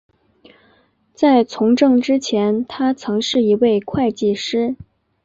在从政之前他曾是一位会计师。